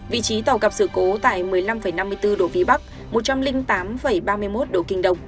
vị trí tàu gặp sự cố tại một mươi năm năm mươi bốn độ vb một trăm linh tám ba mươi một độ kd